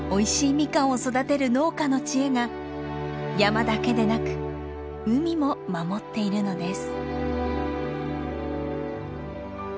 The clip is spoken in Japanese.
ミカンを育てる農家の知恵が山だけでなく海も守っているのです。